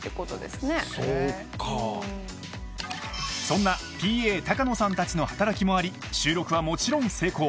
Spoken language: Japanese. ［そんなＰＡ高野さんたちの働きもあり収録はもちろん成功］